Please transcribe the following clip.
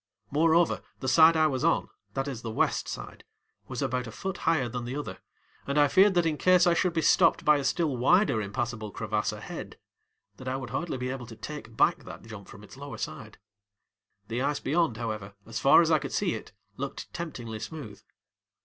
Moreover, the side I was onŌĆöthat is, the west sideŌĆöwas about a foot higher than the other, and I feared that in case I should be stopped by a still wider impassable crevasse ahead that I would hardly be able to take back that jump from its lower side. The ice beyond, however, as far as I could see it, looked temptingly smooth.